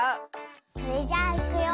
それじゃあいくよ。